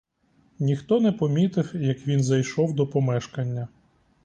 Ніхто не помітив, як він зайшов до помешкання.